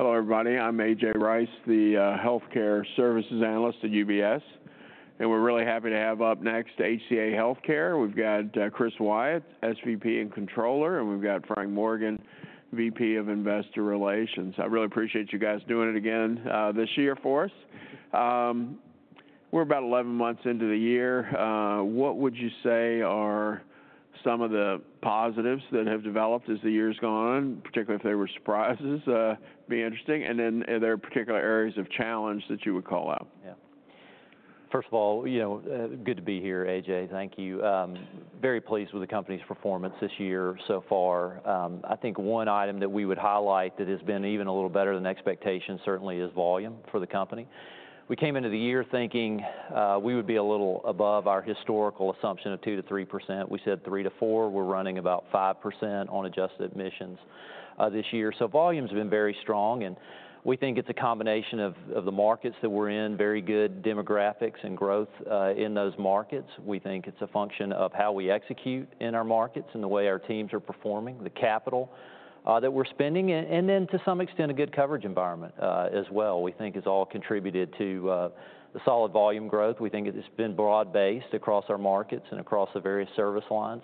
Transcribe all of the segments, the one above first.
Hello, everybody. I'm A.J. Rice, the Healthcare Services Analyst at UBS. And we're really happy to have up next HCA Healthcare. We've got Chris Wyatt, SVP and Controller, and we've got Frank Morgan, VP of Investor Relations. I really appreciate you guys doing it again this year for us. We're about 11 months into the year. What would you say are some of the positives that have developed as the year's gone? Particularly if there were surprises, it'd be interesting. And then are there particular areas of challenge that you would call out? Yeah. First of all, good to be here, A.J. Thank you. Very pleased with the company's performance this year so far. I think one item that we would highlight that has been even a little better than expectations certainly is volume for the company. We came into the year thinking we would be a little above our historical assumption of 2% to 3%. We said 3% to 4%. We're running about 5% on adjusted admissions this year. So volume's been very strong, and we think it's a combination of the markets that we're in, very good demographics and growth in those markets. We think it's a function of how we execute in our markets and the way our teams are performing, the capital that we're spending, and then to some extent a good coverage environment as well. We think it's all contributed to the solid volume growth. We think it's been broad-based across our markets and across the various service lines.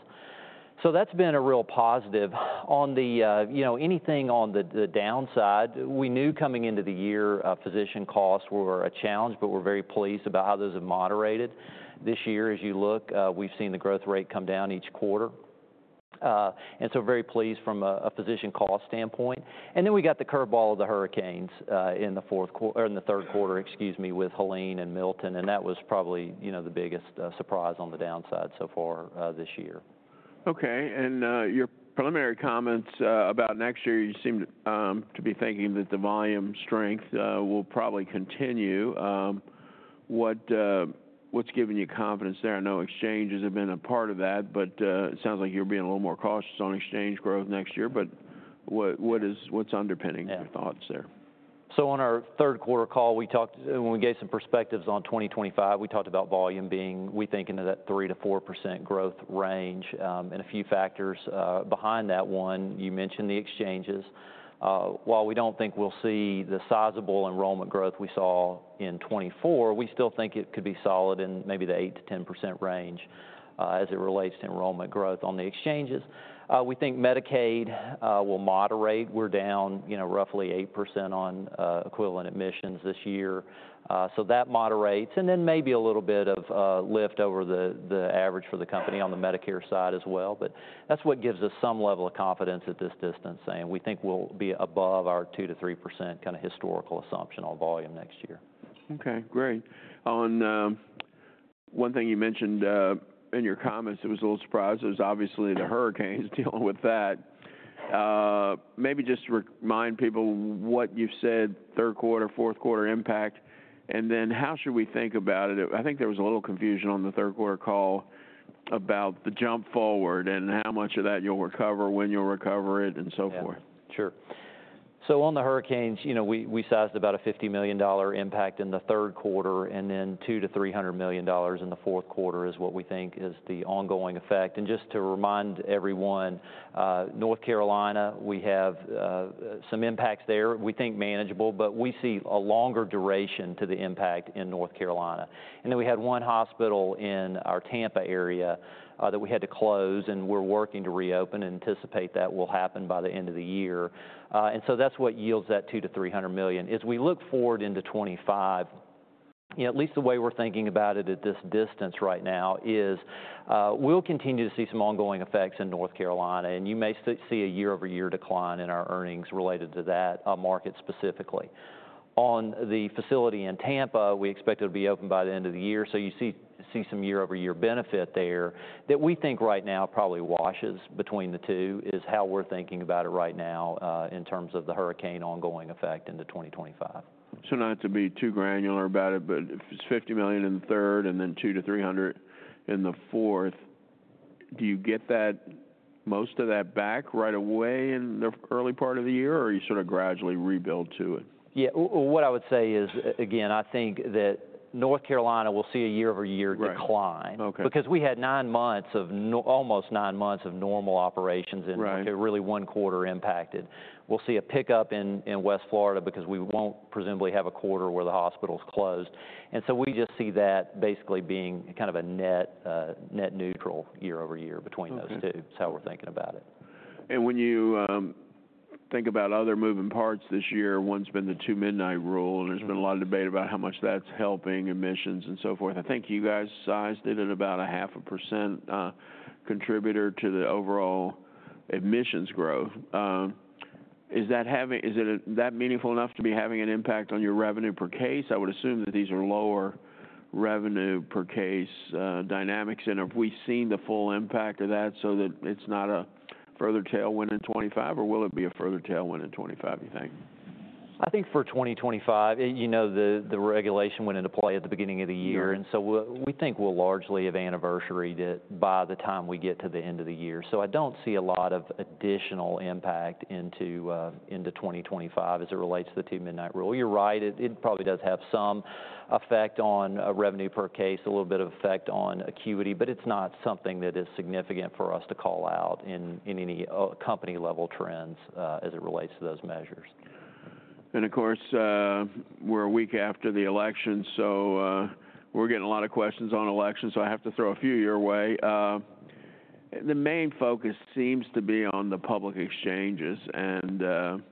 So that's been a real positive. Anything on the downside, we knew coming into the year physician costs were a challenge, but we're very pleased about how those have moderated. This year, as you look, we've seen the growth rate come down each quarter. And so very pleased from a physician cost standpoint. And then we got the curveball of the hurricanes in the third quarter, excuse me, with Helene and Milton. And that was probably the biggest surprise on the downside so far this year. Okay. And your preliminary comments about next year, you seem to be thinking that the volume strength will probably continue. What's giving you confidence there? I know exchanges have been a part of that, but it sounds like you're being a little more cautious on exchange growth next year. But what's underpinning your thoughts there? So on our third quarter call, when we gave some perspectives on 2025, we talked about volume being, we think, in that 3% to 4% growth range. And a few factors behind that one, you mentioned the exchanges. While we don't think we'll see the sizable enrollment growth we saw in 2024, we still think it could be solid in maybe the 8% to 10% range as it relates to enrollment growth on the exchanges. We think Medicaid will moderate. We're down roughly 8% on equivalent admissions this year. So that moderates. And then maybe a little bit of lift over the average for the company on the Medicare side as well. But that's what gives us some level of confidence at this distance. And we think we'll be above our 2% to 3% kind of historical assumption on volume next year. Okay. Great. One thing you mentioned in your comments, it was a little surprise. It was obviously the hurricanes dealing with that. Maybe just to remind people what you've said, third quarter, fourth quarter impact, and then how should we think about it? I think there was a little confusion on the third quarter call about the jump forward and how much of that you'll recover, when you'll recover it, and so forth. Yeah. Sure. So on the hurricanes, we sized about a $50 million impact in the third quarter and then $200 to $300 million in the fourth quarter is what we think is the ongoing effect. And just to remind everyone, North Carolina, we have some impacts there. We think manageable, but we see a longer duration to the impact in North Carolina. And then we had one hospital in our Tampa area that we had to close, and we're working to reopen and anticipate that will happen by the end of the year. And so that's what yields that $200 to $300 million. As we look forward into 2025, at least the way we're thinking about it at this distance right now is we'll continue to see some ongoing effects in North Carolina. And you may see a year-over-year decline in our earnings related to that market specifically. On the facility in Tampa, we expect it to be open by the end of the year. So you see some year-over-year benefit there that we think right now probably washes between the two is how we're thinking about it right now in terms of the hurricane ongoing effect into 2025. So not to be too granular about it, but if it's $50 million in the third and then $200-$300 in the fourth, do you get most of that back right away in the early part of the year, or are you sort of gradually rebuild to it? Yeah. What I would say is, again, I think that North Carolina will see a year-over-year decline because we had almost nine months of normal operations and really one quarter impacted. We'll see a pickup in West Florida because we won't presumably have a quarter where the hospital's closed. And so we just see that basically being kind of a net neutral year-over-year between those two. That's how we're thinking about it. And when you think about other moving parts this year, one's been the Two-Midnight Rule, and there's been a lot of debate about how much that's helping admissions and so forth. I think you guys sized it at about a 0.5% contributor to the overall admissions growth. Is that meaningful enough to be having an impact on your revenue per case? I would assume that these are lower revenue per case dynamics. And have we seen the full impact of that so that it's not a further tailwind in 2025, or will it be a further tailwind in 2025, you think? I think for 2025, you know the regulation went into play at the beginning of the year, and so we think we'll largely have anniversary by the time we get to the end of the year, so I don't see a lot of additional impact into 2025 as it relates to the Two-Midnight Rule. You're right. It probably does have some effect on revenue per case, a little bit of effect on acuity, but it's not something that is significant for us to call out in any company-level trends as it relates to those measures. And of course, we're a week after the election, so we're getting a lot of questions on elections. So I have to throw a few your way. The main focus seems to be on the public exchanges and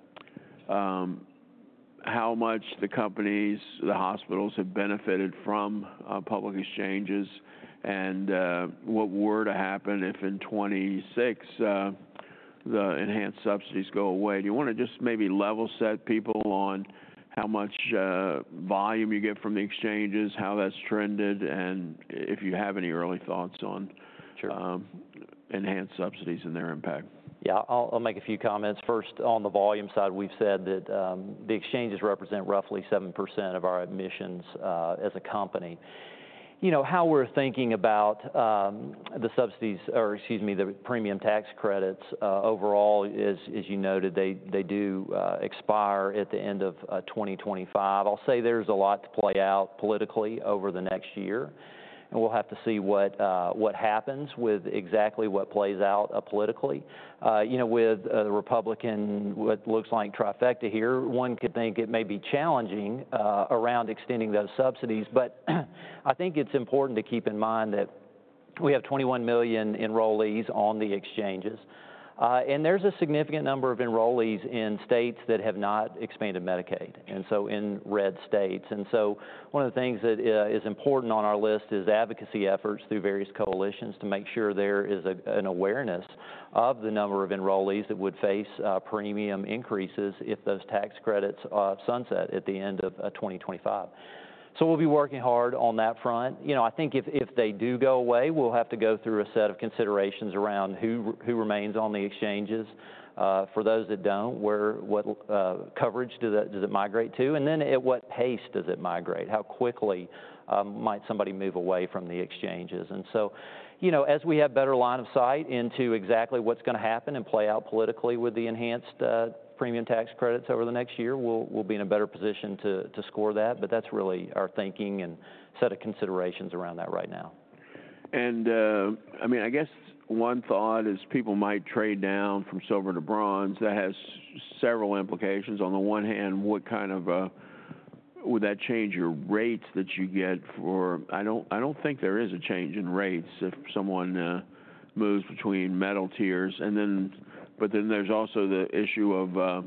how much the companies, the hospitals have benefited from public exchanges and what were to happen if in 2026 the enhanced subsidies go away. Do you want to just maybe level set people on how much volume you get from the exchanges, how that's trended, and if you have any early thoughts on enhanced subsidies and their impact? Yeah. I'll make a few comments. First, on the volume side, we've said that the exchanges represent roughly 7% of our admissions as a company. You know how we're thinking about the subsidies or, excuse me, the premium tax credits overall is, as you noted, they do expire at the end of 2025. I'll say there's a lot to play out politically over the next year. And we'll have to see what happens with exactly what plays out politically. With the Republican, what looks like trifecta here, one could think it may be challenging around extending those subsidies. But I think it's important to keep in mind that we have 21 million enrollees on the exchanges. And there's a significant number of enrollees in states that have not expanded Medicaid, and so in red states. And so one of the things that is important on our list is advocacy efforts through various coalitions to make sure there is an awareness of the number of enrollees that would face premium increases if those tax credits sunset at the end of 2025. So we'll be working hard on that front. You know I think if they do go away, we'll have to go through a set of considerations around who remains on the exchanges. For those that don't, what coverage does it migrate to? And then at what pace does it migrate? How quickly might somebody move away from the exchanges? And so you know as we have better line of sight into exactly what's going to happen and play out politically with the enhanced premium tax credits over the next year, we'll be in a better position to score that. But that's really our thinking and set of considerations around that right now. I mean, I guess one thought is people might trade down from silver to bronze. That has several implications. On the one hand, what kind of would that change your rates that you get for? I don't think there is a change in rates if someone moves between metal tiers. But then there's also the issue of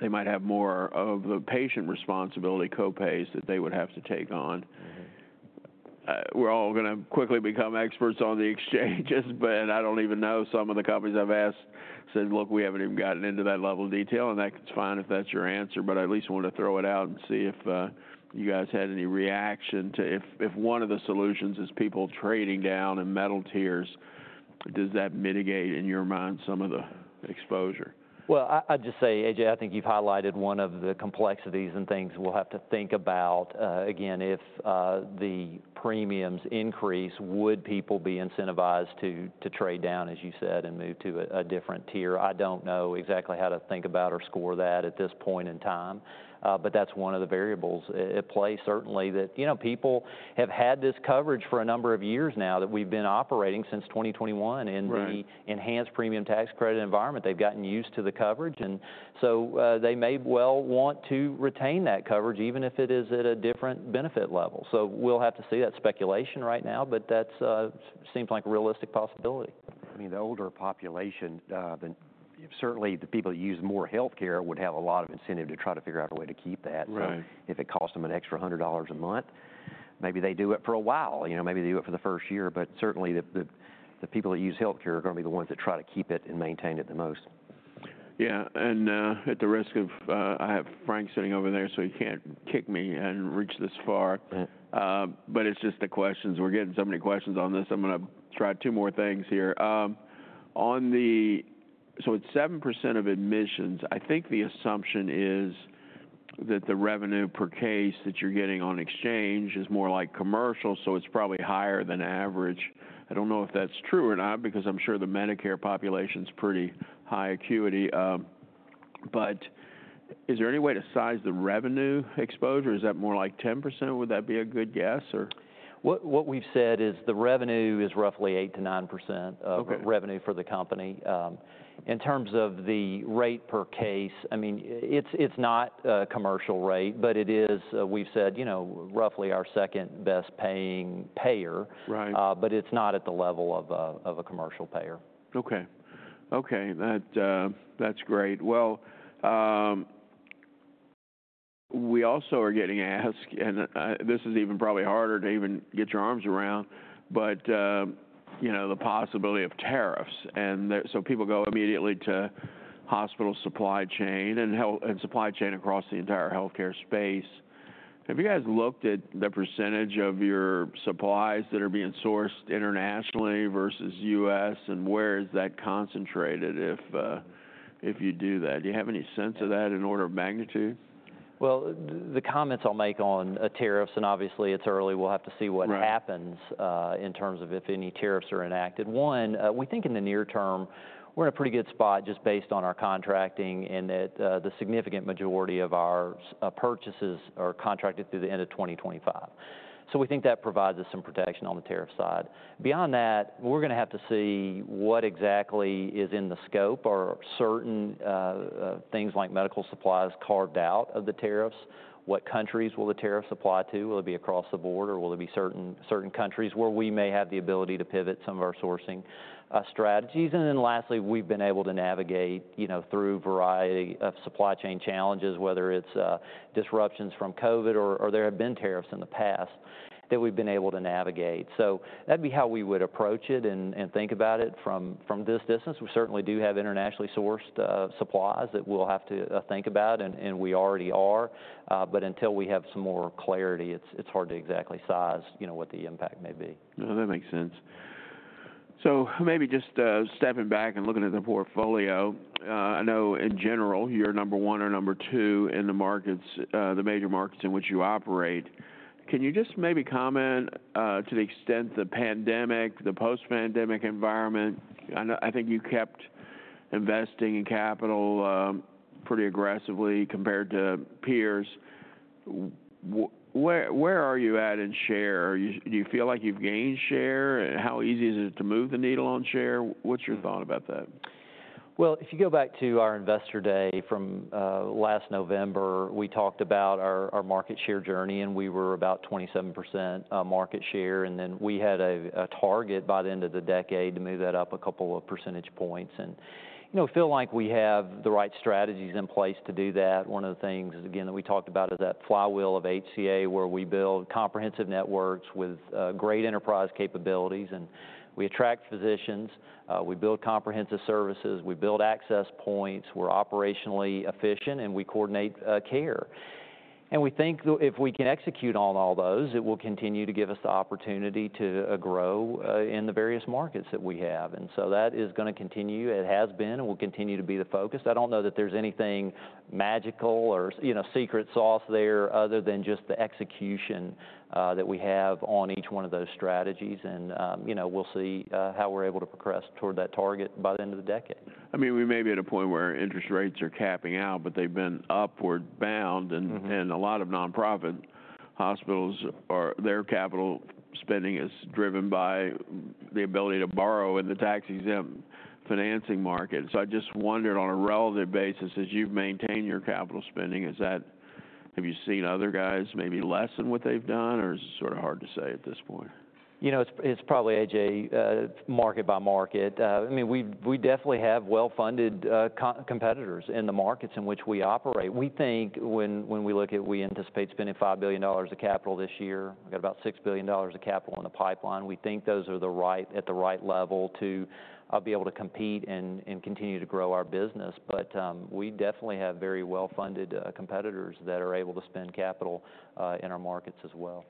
they might have more of the patient responsibility copays that they would have to take on. We're all going to quickly become experts on the exchanges, but I don't even know. Some of the companies I've asked said, "Look, we haven't even gotten into that level of detail," and that's fine if that's your answer, but I at least want to throw it out and see if you guys had any reaction to if one of the solutions is people trading down in metal tiers, does that mitigate in your mind some of the exposure? I'd just say, A.J., I think you've highlighted one of the complexities and things we'll have to think about. Again, if the premiums increase, would people be incentivized to trade down, as you said, and move to a different tier? I don't know exactly how to think about or score that at this point in time, but that's one of the variables at play. Certainly, that people have had this coverage for a number of years now that we've been operating since 2021. In the enhanced premium tax credit environment, they've gotten used to the coverage. They may well want to retain that coverage even if it is at a different benefit level. We'll have to see that speculation right now, but that seems like a realistic possibility. I mean. The older population, certainly the people that use more healthcare would have a lot of incentive to try to figure out a way to keep that. If it costs them an extra $100 a month, maybe they do it for a while. Maybe they do it for the first year. But certainly, the people that use healthcare are going to be the ones that try to keep it and maintain it the most. Yeah. And at the risk of, I have Frank sitting over there, so he can't kick me and reach this far. But it's just the questions. We're getting so many questions on this. I'm going to try two more things here. So at 7% of admissions, I think the assumption is that the revenue per case that you're getting on exchange is more like commercial, so it's probably higher than average. I don't know if that's true or not because I'm sure the Medicare population's pretty high acuity. But is there any way to size the revenue exposure? Is that more like 10%? Would that be a good guess? What we've said is the revenue is roughly 8% to 9% of revenue for the company. In terms of the rate per case, I mean, it's not a commercial rate, but it is, we've said, roughly our second best paying payer, but it's not at the level of a commercial payer. Okay. Okay. That's great. Well, we also are getting asked, and this is even probably harder to even get your arms around, but the possibility of tariffs. And so people go immediately to hospital supply chain and supply chain across the entire healthcare space. Have you guys looked at the percentage of your supplies that are being sourced internationally versus the U.S., and where is that concentrated if you do that? Do you have any sense of that in order of magnitude? The comments I'll make on tariffs, and obviously, it's early. We'll have to see what happens in terms of if any tariffs are enacted. One, we think in the near term, we're in a pretty good spot just based on our contracting in that the significant majority of our purchases are contracted through the end of 2025. So we think that provides us some protection on the tariff side. Beyond that, we're going to have to see what exactly is in the scope or certain things like medical supplies carved out of the tariffs. What countries will the tariffs apply to? Will it be across the board, or will it be certain countries where we may have the ability to pivot some of our sourcing strategies? And then lastly, we've been able to navigate through a variety of supply chain challenges, whether it's disruptions from COVID or there have been tariffs in the past that we've been able to navigate. So that'd be how we would approach it and think about it from this distance. We certainly do have internationally sourced supplies that we'll have to think about, and we already are. But until we have some more clarity, it's hard to exactly size what the impact may be. That makes sense. So maybe just stepping back and looking at the portfolio, I know in general, you're number one or number two in the markets, the major markets in which you operate. Can you just maybe comment to the extent the pandemic, the post-pandemic environment? I think you kept investing in capital pretty aggressively compared to peers. Where are you at in share? Do you feel like you've gained share? How easy is it to move the needle on share? What's your thought about that? If you go back to our investor day from last November, we talked about our market share journey, and we were about 27% market share, and then we had a target by the end of the decade to move that up a couple of percentage points, and I feel like we have the right strategies in place to do that. One of the things, again, that we talked about is that flywheel of HCA where we build comprehensive networks with great enterprise capabilities, and we attract physicians. We build comprehensive services. We build access points. We're operationally efficient, and we coordinate care, and we think if we can execute on all those, it will continue to give us the opportunity to grow in the various markets that we have, and so that is going to continue. It has been and will continue to be the focus. I don't know that there's anything magical or secret sauce there other than just the execution that we have on each one of those strategies. And we'll see how we're able to progress toward that target by the end of the decade. I mean, we may be at a point where interest rates are capping out, but they've been upward bound, and a lot of nonprofit hospitals, their capital spending is driven by the ability to borrow in the tax-exempt financing market, so I just wondered on a relative basis, as you've maintained your capital spending, have you seen other guys maybe lessen what they've done, or it's sort of hard to say at this point? You know. It's probably, A.J., market by market. I mean, we definitely have well-funded competitors in the markets in which we operate. We think when we look at, we anticipate spending $5 billion of capital this year. We've got about $6 billion of capital in the pipeline. We think those are at the right level to be able to compete and continue to grow our business. But we definitely have very well-funded competitors that are able to spend capital in our markets as well.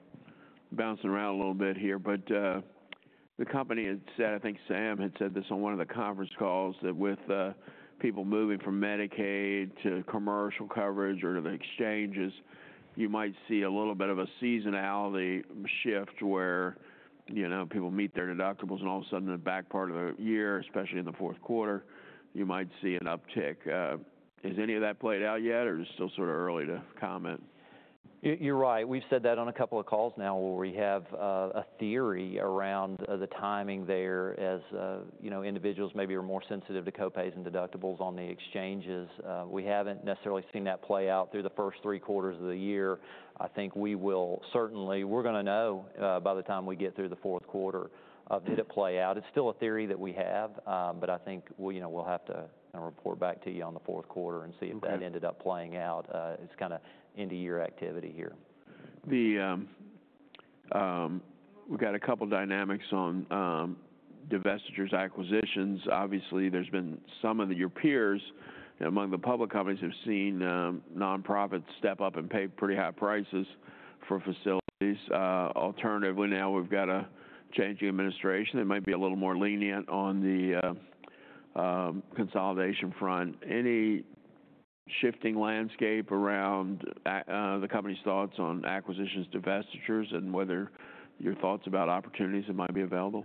Bouncing around a little bit here, but the company had said, I think Sam had said this on one of the conference calls, that with people moving from Medicaid to commercial coverage or to the exchanges, you might see a little bit of a seasonality shift where people meet their deductibles and all of a sudden in the back part of the year, especially in the fourth quarter, you might see an uptick. Has any of that played out yet, or is it still sort of early to comment? You're right. We've said that on a couple of calls now where we have a theory around the timing there as individuals maybe are more sensitive to copays and deductibles on the exchanges. We haven't necessarily seen that play out through the first three quarters of the year. I think we will certainly, we're going to know by the time we get through the fourth quarter of did it play out. It's still a theory that we have, but I think we'll have to report back to you on the fourth quarter and see if that ended up playing out. It's kind of end-of-year activity here. We've got a couple of dynamics on divestitures, acquisitions. Obviously, there's been some of your peers among the public companies who have seen nonprofits step up and pay pretty high prices for facilities. Alternatively, now we've got a changing administration that might be a little more lenient on the consolidation front. Any shifting landscape around the company's thoughts on acquisitions, divestitures, and whether your thoughts about opportunities that might be available?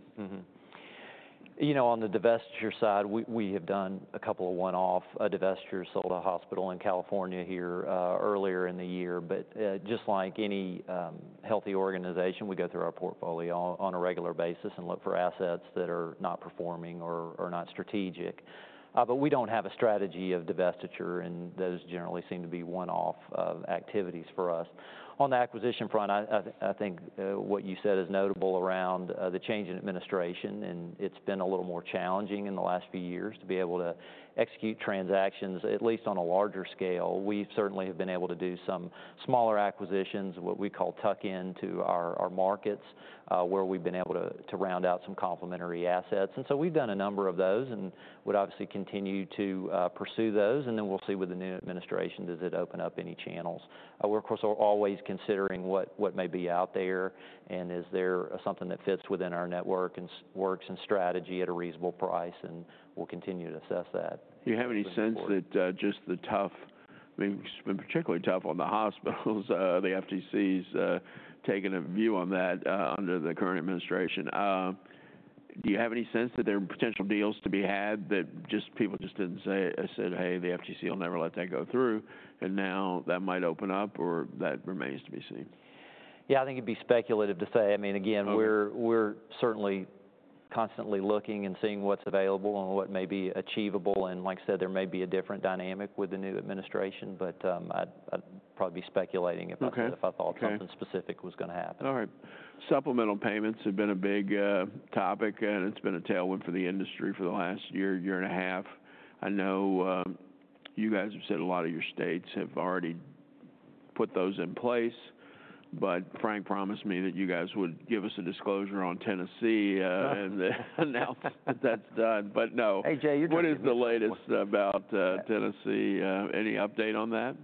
You know. On the divestiture side, we have done a couple of one-off divestitures. Sold a hospital in California here earlier in the year. But just like any healthy organization, we go through our portfolio on a regular basis and look for assets that are not performing or not strategic. But we don't have a strategy of divestiture, and those generally seem to be one-off activities for us. On the acquisition front, I think what you said is notable around the change in administration. And it's been a little more challenging in the last few years to be able to execute transactions, at least on a larger scale. We certainly have been able to do some smaller acquisitions, what we call tuck-in to our markets, where we've been able to round out some complementary assets. And so we've done a number of those and would obviously continue to pursue those. And then we'll see with the new administration, does it open up any channels? We're, of course, always considering what may be out there and is there something that fits within our network and works and strategy at a reasonable price. And we'll continue to assess that. Do you have any sense that just the tough, I mean, it's been particularly tough on the hospitals, the FTC's taking a view on that under the current administration? Do you have any sense that there are potential deals to be had that just people just didn't say, "Hey, the FTC will never let that go through," and now that might open up or that remains to be seen? Yeah, I think it'd be speculative to say. I mean, again, we're certainly constantly looking and seeing what's available and what may be achievable. And like I said, there may be a different dynamic with the new administration, but I'd probably be speculating if I thought something specific was going to happen. All right. Supplemental payments have been a big topic, and it's been a tailwind for the industry for the last year, year and a half. I know you guys have said a lot of your states have already put those in place, but Frank promised me that you guys would give us a disclosure on Tennessee and announce that that's done. But no. A.J., you're doing great. What is the latest about Tennessee? Any update on that?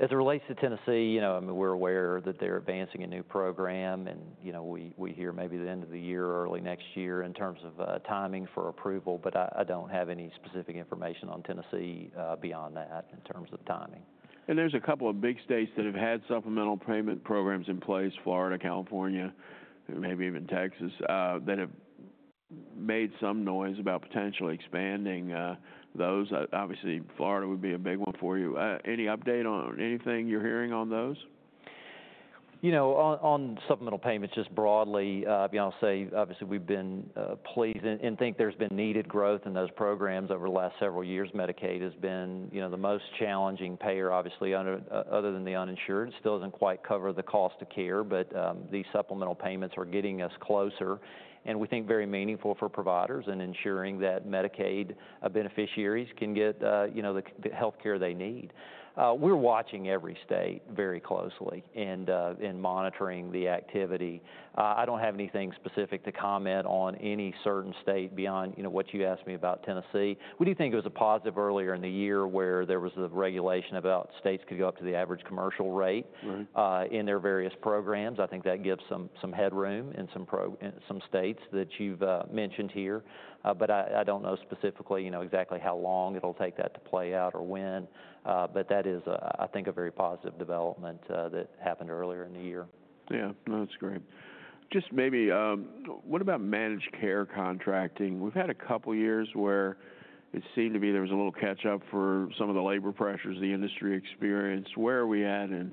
As it relates to Tennessee, I mean, we're aware that they're advancing a new program. And we hear maybe the end of the year, early next year in terms of timing for approval. But I don't have any specific information on Tennessee beyond that in terms of timing. There's a couple of big states that have had supplemental payment programs in place, Florida, California, maybe even Texas, that have made some noise about potentially expanding those. Obviously, Florida would be a big one for you. Any update on anything you're hearing on those? You know. On supplemental payments just broadly, I'll say obviously we've been pleased and think there's been needed growth in those programs over the last several years. Medicaid has been the most challenging payer, obviously, other than the uninsured. It still doesn't quite cover the cost of care, but these supplemental payments are getting us closer and we think very meaningful for providers and ensuring that Medicaid beneficiaries can get the healthcare they need. We're watching every state very closely and monitoring the activity. I don't have anything specific to comment on any certain state beyond what you asked me about Tennessee. We do think it was a positive earlier in the year where there was the regulation about states could go up to the average commercial rate in their various programs. I think that gives some headroom in some states that you've mentioned here. But I don't know specifically exactly how long it'll take that to play out or when. But that is, I think, a very positive development that happened earlier in the year. Yeah. No, that's great. Just maybe, what about managed care contracting? We've had a couple of years where it seemed to be there was a little catch-up for some of the labor pressures the industry experienced. Where are we at in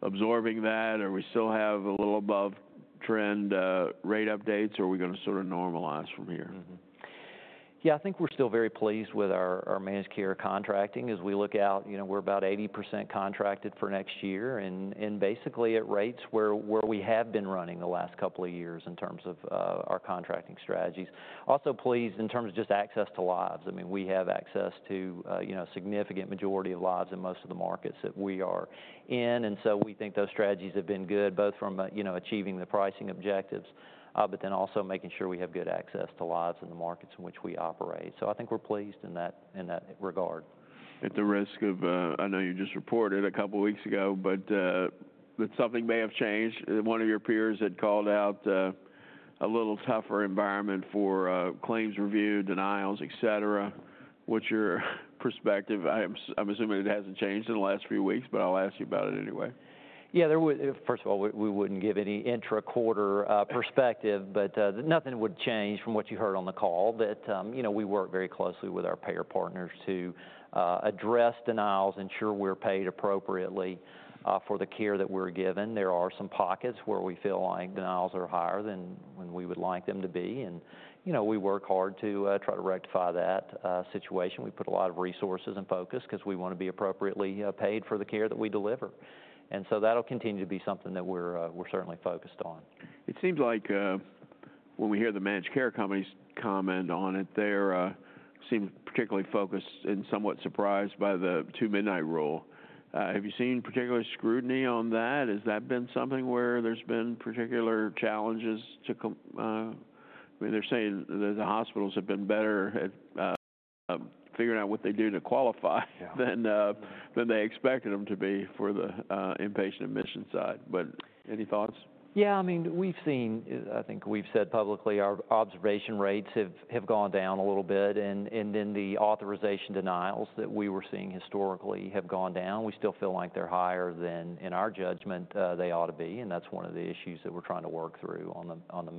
absorbing that? Are we still have a little above trend rate updates, or are we going to sort of normalize from here? Yeah, I think we're still very pleased with our managed care contracting as we look out. We're about 80% contracted for next year and basically at rates where we have been running the last couple of years in terms of our contracting strategies. Also pleased in terms of just access to lives. I mean, we have access to a significant majority of lives in most of the markets that we are in, and so we think those strategies have been good, both from achieving the pricing objectives, but then also making sure we have good access to lives in the markets in which we operate, so I think we're pleased in that regard. At the risk of, I know you just reported a couple of weeks ago, but something may have changed. One of your peers had called out a little tougher environment for claims review, denials, etc. What's your perspective? I'm assuming it hasn't changed in the last few weeks, but I'll ask you about it anyway. Yeah, first of all, we wouldn't give any intra-quarter perspective, but nothing would change from what you heard on the call, that we work very closely with our payer partners to address denials, ensure we're paid appropriately for the care that we're given. There are some pockets where we feel like denials are higher than when we would like them to be. And we work hard to try to rectify that situation. We put a lot of resources and focus because we want to be appropriately paid for the care that we deliver. And so that'll continue to be something that we're certainly focused on. It seems like when we hear the managed care companies comment on it, they seem particularly focused and somewhat surprised by the Two-Midnight Rule. Have you seen particular scrutiny on that? Has that been something where there's been particular challenges? I mean, they're saying that the hospitals have been better at figuring out what they do to qualify than they expected them to be for the inpatient admission side. But any thoughts? Yeah, I mean, we've seen, I think we've said publicly, our observation rates have gone down a little bit. And then the authorization denials that we were seeing historically have gone down. We still feel like they're higher than in our judgment they ought to be. And that's one of the issues that we're trying to work through on the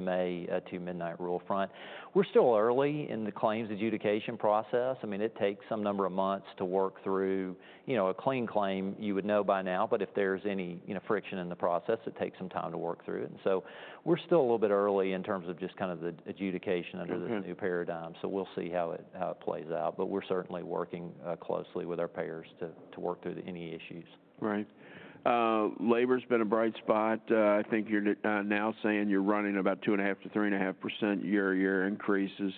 MA Two-Midnight Rule front. We're still early in the claims adjudication process. I mean, it takes some number of months to work through a clean claim. You would know by now, but if there's any friction in the process, it takes some time to work through it. And so we're still a little bit early in terms of just kind of the adjudication under this new paradigm. So we'll see how it plays out. But we're certainly working closely with our payers to work through any issues. Right. Labor's been a bright spot. I think you're now saying you're running about 2.5% to 3.5% year-to-year increases.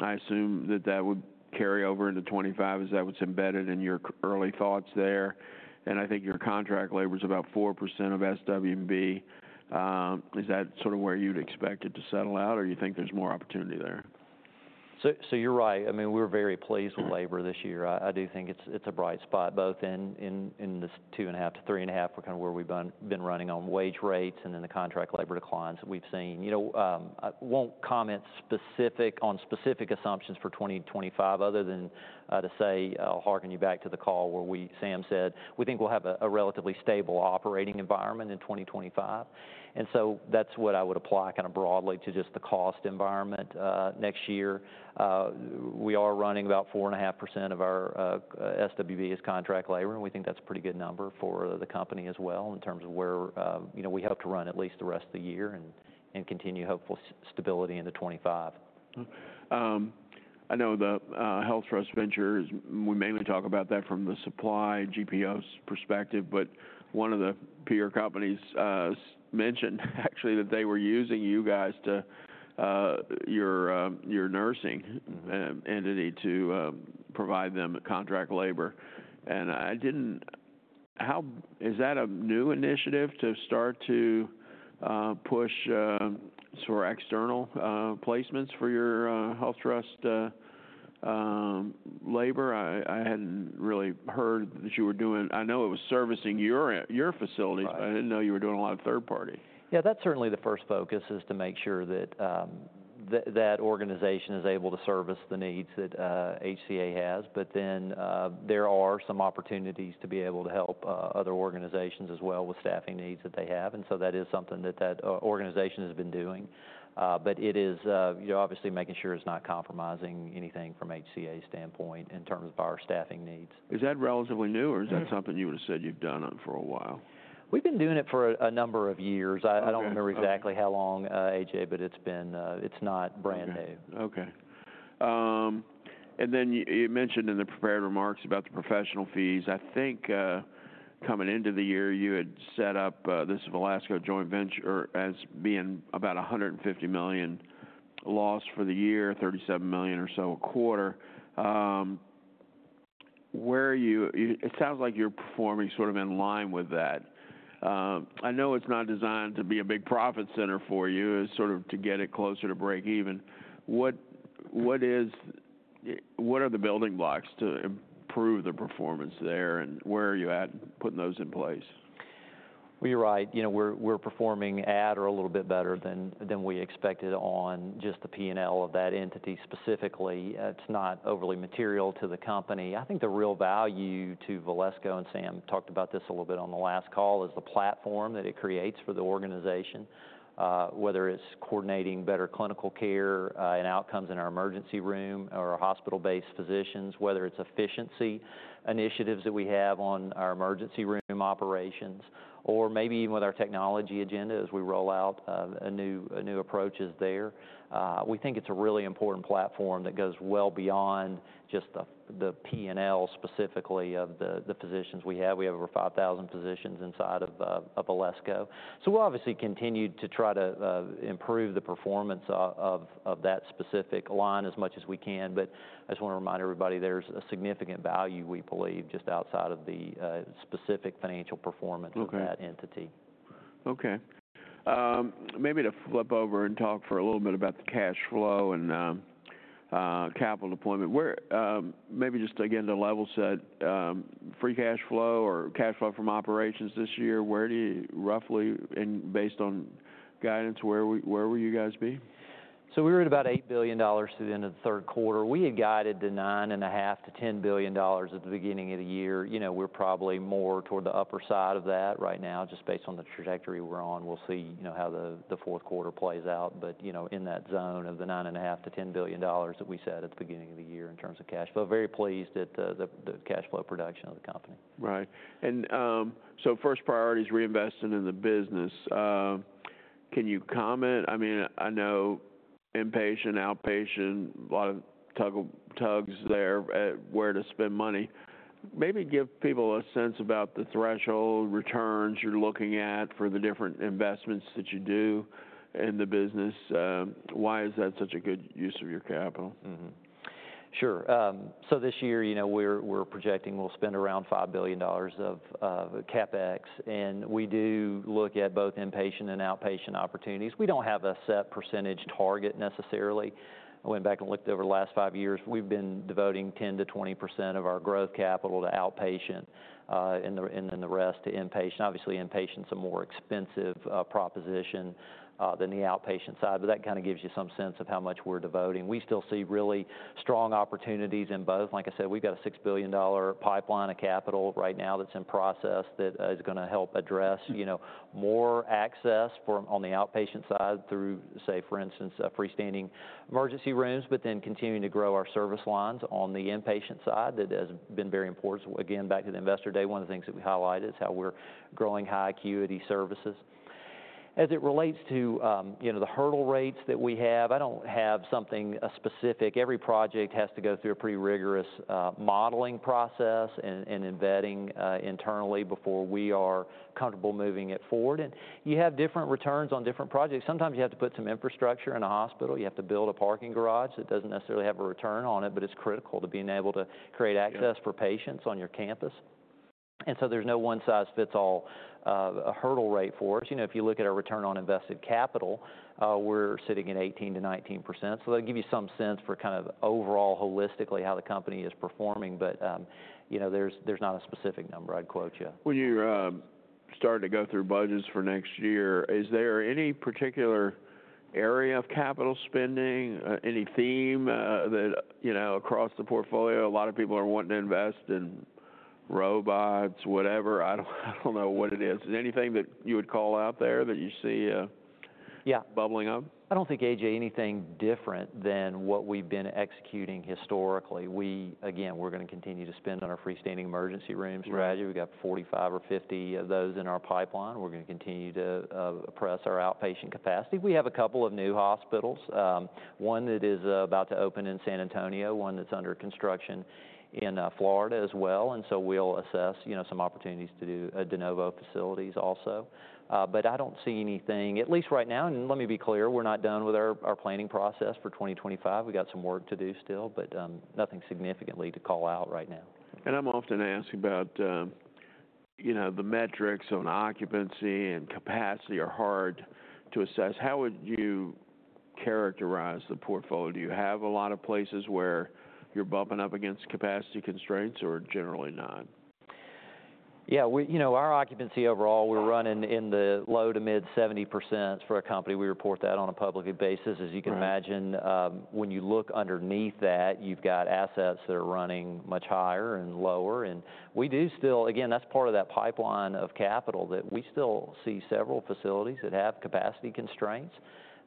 I assume that that would carry over into 2025. Is that what's embedded in your early thoughts there? And I think your contract labor's about 4% of SW&B. Is that sort of where you'd expect it to settle out, or do you think there's more opportunity there? So you're right. I mean, we're very pleased with labor this year. I do think it's a bright spot both in this two and a half to three and a half, kind of where we've been running on wage rates and then the contract labor declines that we've seen. I won't comment on specific assumptions for 2025 other than to say, I'll hearken you back to the call where Sam said, we think we'll have a relatively stable operating environment in 2025. And so that's what I would apply kind of broadly to just the cost environment next year. We are running about 4.5% of our SW&B as contract labor, and we think that's a pretty good number for the company as well in terms of where we hope to run at least the rest of the year and continue hopeful stability into 2025. I know the HealthTrust Ventures. We mainly talk about that from the supply GPO's perspective, but one of the peer companies mentioned actually that they were using you guys to your nursing entity to provide them contract labor. And I didn't. Is that a new initiative to start to push for external placements for your HealthTrust labor? I hadn't really heard that you were doing. I know it was servicing your facilities. I didn't know you were doing a lot of third-party. Yeah, that's certainly the first focus is to make sure that that organization is able to service the needs that HCA has. But then there are some opportunities to be able to help other organizations as well with staffing needs that they have. And so that is something that that organization has been doing. But it is obviously making sure it's not compromising anything from HCA standpoint in terms of our staffing needs. Is that relatively new, or is that something you would have said you've done for a while? We've been doing it for a number of years. I don't remember exactly how long, A.J., but it's not brand new. Okay. And then you mentioned in the prepared remarks about the professional fees. I think coming into the year, you had set up this Valesco Joint Venture as being about $150 million lost for the year, $37 million or so a quarter. It sounds like you're performing sort of in line with that. I know it's not designed to be a big profit center for you, sort of to get it closer to break even. What are the building blocks to improve the performance there, and where are you at putting those in place? You're right. We're performing at or a little bit better than we expected on just the P&L of that entity specifically. It's not overly material to the company. I think the real value to Valesco, and Sam talked about this a little bit on the last call, is the platform that it creates for the organization, whether it's coordinating better clinical care and outcomes in our emergency room or hospital-based physicians, whether it's efficiency initiatives that we have on our emergency room operations, or maybe even with our technology agenda as we roll out new approaches there. We think it's a really important platform that goes well beyond just the P&L specifically of the physicians we have. We have over 5,000 physicians inside of Valesco. So we'll obviously continue to try to improve the performance of that specific line as much as we can. But I just want to remind everybody there's a significant value, we believe, just outside of the specific financial performance of that entity. Okay. Maybe to flip over and talk for a little bit about the cash flow and capital deployment, maybe just again to level set, free cash flow or cash flow from operations this year, where do you roughly, and based on guidance, where will you guys be? So we were at about $8 billion through the end of the third quarter. We had guided to $9.5 to $10 billion at the beginning of the year. We're probably more toward the upper side of that right now, just based on the trajectory we're on. We'll see how the fourth quarter plays out. But in that zone of the $9.5 to $10 billion that we said at the beginning of the year in terms of cash flow, very pleased at the cash flow production of the company. Right. And so first priority is reinvesting in the business. Can you comment? I mean, I know inpatient, outpatient, a lot of tugs there at where to spend money. Maybe give people a sense about the threshold returns you're looking at for the different investments that you do in the business. Why is that such a good use of your capital? Sure. So this year, we're projecting we'll spend around $5 billion of CapEx. And we do look at both inpatient and outpatient opportunities. We don't have a set percentage target necessarily. I went back and looked over the last five years. We've been devoting 10% to 20% of our growth capital to outpatient and then the rest to inpatient. Obviously, inpatient's a more expensive proposition than the outpatient side. But that kind of gives you some sense of how much we're devoting. We still see really strong opportunities in both. Like I said, we've got a $6 billion pipeline of capital right now that's in process that is going to help address more access on the outpatient side through, say, for instance, freestanding emergency rooms, but then continuing to grow our service lines on the inpatient side that has been very important. Again, back to the investor day, one of the things that we highlighted is how we're growing high acuity services. As it relates to the hurdle rates that we have, I don't have something specific. Every project has to go through a pretty rigorous modeling process and embedding internally before we are comfortable moving it forward, and you have different returns on different projects. Sometimes you have to put some infrastructure in a hospital. You have to build a parking garage that doesn't necessarily have a return on it, but it's critical to being able to create access for patients on your campus, and so there's no one-size-fits-all hurdle rate for us. If you look at our return on invested capital, we're sitting at 18% to 19%, so that'll give you some sense for kind of overall holistically how the company is performing. But there's not a specific number, I'd quote you. When you start to go through budgets for next year, is there any particular area of capital spending, any theme that across the portfolio, a lot of people are wanting to invest in robots, whatever? I don't know what it is. Is there anything that you would call out there that you see bubbling up? Yeah, I don't think, A.J., anything different than what we've been executing historically. Again, we're going to continue to spend on our freestanding emergency rooms, right? We've got 45 or 50 of those in our pipeline. We're going to continue to press our outpatient capacity. We have a couple of new hospitals, one that is about to open in San Antonio, one that's under construction in Florida as well, and so we'll assess some opportunities to do de novo facilities also. But I don't see anything, at least right now. And let me be clear, we're not done with our planning process for 2025. We've got some work to do still, but nothing significantly to call out right now. I'm often asked about the metrics on occupancy and capacity are hard to assess. How would you characterize the portfolio? Do you have a lot of places where you're bumping up against capacity constraints or generally not? Yeah, our occupancy overall, we're running in the low-to-mid 70% for a company. We report that on a public basis, as you can imagine. When you look underneath that, you've got assets that are running much higher and lower. And we do still, again, that's part of that pipeline of capital that we still see several facilities that have capacity constraints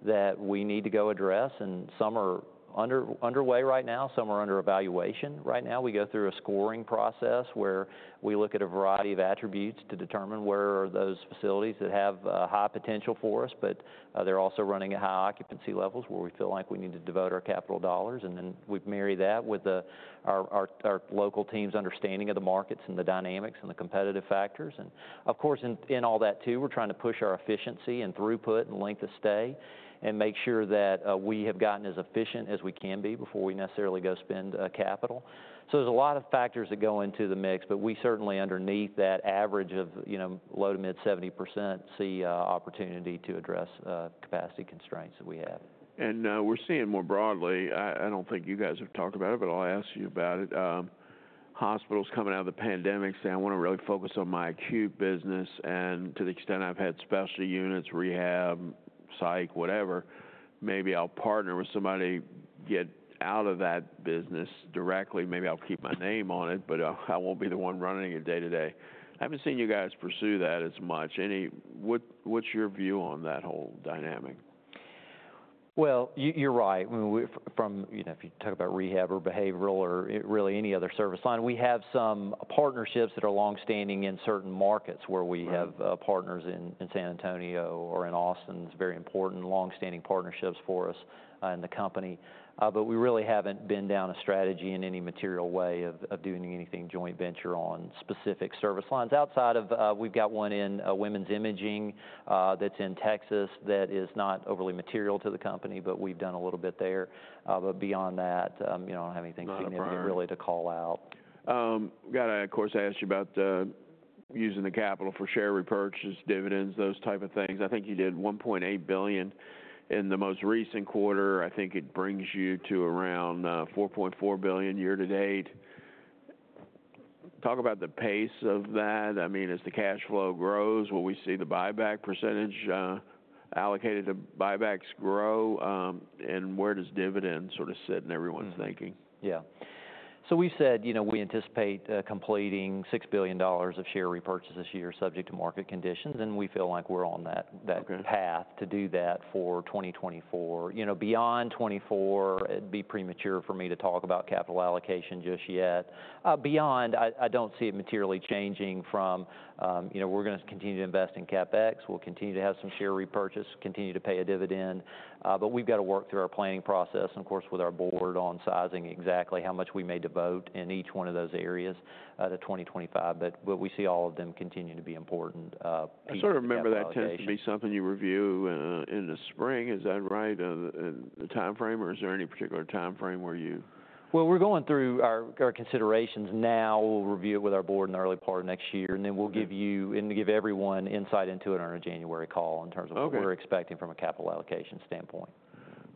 that we need to go address. And some are underway right now. Some are under evaluation right now. We go through a scoring process where we look at a variety of attributes to determine where are those facilities that have high potential for us, but they're also running at high occupancy levels where we feel like we need to devote our capital dollars. And then we've married that with our local team's understanding of the markets and the dynamics and the competitive factors. And of course, in all that too, we're trying to push our efficiency and throughput and length of stay and make sure that we have gotten as efficient as we can be before we necessarily go spend capital. So there's a lot of factors that go into the mix, but we certainly underneath that average of low to mid 70% see opportunity to address capacity constraints that we have. And we're seeing more broadly. I don't think you guys have talked about it, but I'll ask you about it. Hospitals coming out of the pandemic say, "I want to really focus on my acute business." And to the extent I've had specialty units, rehab, psych, whatever, maybe I'll partner with somebody, get out of that business directly. Maybe I'll keep my name on it, but I won't be the one running it day to day. I haven't seen you guys pursue that as much. What's your view on that whole dynamic? You're right. If you talk about rehab or behavioral or really any other service line, we have some partnerships that are longstanding in certain markets where we have partners in San Antonio or in Austin. It's very important longstanding partnerships for us and the company. But we really haven't been down a strategy in any material way of doing anything joint venture on specific service lines. Outside of, we've got one in women's imaging that's in Texas that is not overly material to the company, but we've done a little bit there. But beyond that, I don't have anything significant really to call out. Got to, of course, ask you about using the capital for share repurchase, dividends, those type of things. I think you did $1.8 billion in the most recent quarter. I think it brings you to around $4.4 billion year to date. Talk about the pace of that. I mean, as the cash flow grows, will we see the buyback percentage allocated to buybacks grow? And where does dividend sort of sit in everyone's thinking? Yeah. So we've said we anticipate completing $6 billion of share repurchase this year, subject to market conditions. And we feel like we're on that path to do that for 2024. Beyond 2024, it'd be premature for me to talk about capital allocation just yet. Beyond, I don't see it materially changing from we're going to continue to invest in CapEx. We'll continue to have some share repurchase, continue to pay a dividend. But we've got to work through our planning process, of course, with our board on sizing exactly how much we may devote in each one of those areas to 2025. But we see all of them continue to be important. I sort of remember that tends to be something you review in the spring. Is that right, the timeframe, or is there any particular timeframe where you? We're going through our considerations now. We'll review it with our board in the early part of next year. Then we'll give you and give everyone insight into it on a January call in terms of what we're expecting from a capital allocation standpoint.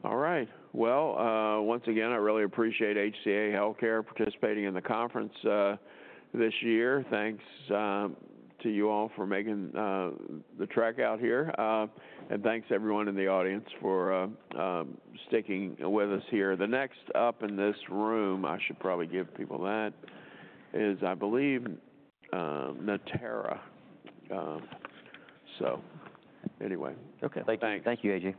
All right. Well, once again, I really appreciate HCA Healthcare participating in the conference this year. Thanks to you all for making the trek out here and thanks everyone in the audience for sticking with us here. The next up in this room, I should probably give people that, is I believe Natera. So anyway. Okay. Thank you, A.J.